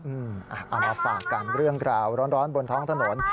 เอามาฝากกันเรื่องราวร้อนบนท้องถนน